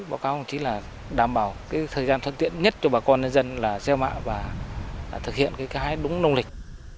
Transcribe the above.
báo cáo chỉ là đảm bảo thời gian thuận tiện nhất cho bà con dân là gieo mạ và thực hiện cái hái đúng nông lịch